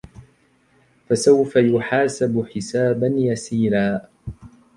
فسوف يحاسب حسابا يسيرا